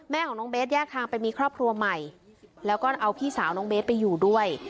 แม่ของน้องเบสแยกทางไปมีครอบครัวใหม่แล้วก็เอาพี่สาวน้องเบสไปอยู่ด้วย